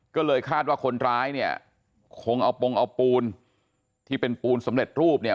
ก็เลยคาดว่าคนร้ายเนี่ยคงเอาปงเอาปูนที่เป็นปูนสำเร็จรูปเนี่ย